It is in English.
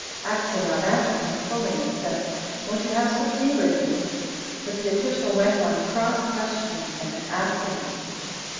Aksionov answered him fully, and said, "Won't you have some tea with me?" But the official went on cross questioning him and asking him.